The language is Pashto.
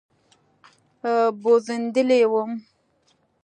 بوږنېدلى وم.